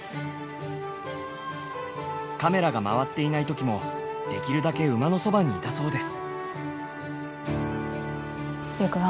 カメラが回っていない時もできるだけ馬のそばにいたそうです。